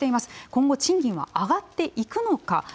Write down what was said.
今後、賃金は上がっていくのか。